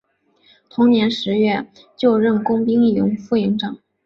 同年十月就任工兵营副营长。